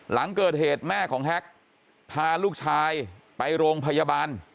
หลังเกิดเหตุแม่ของแฮ็กพาลูกชายไปโรงพยาบาล